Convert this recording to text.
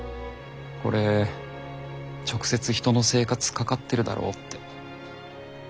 これ直接人の生活かかってるだろうって。